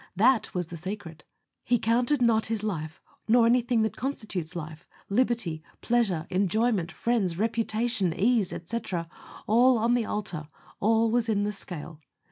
That was the secret. He counted not his life, nor anything that constitutes life liberty, pleasure, enjoyment, friends, reputation, ease, &c., all on the altar, all was in the scale.